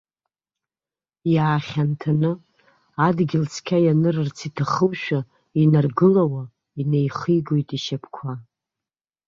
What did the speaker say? Иаахьанҭаны, адгьыл цқьа ианырырц иҭахушәа инаргылауа, инеихигоит ишьапқәа.